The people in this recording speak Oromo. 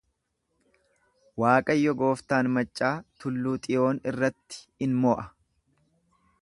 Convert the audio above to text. Waaqayyo gooftaan maccaa tulluu Xiyoon irratti in mo'a.